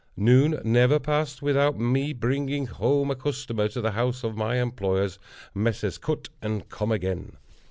Noon never passed without my bringing home a customer to the house of my employers, Messrs. Cut & Comeagain.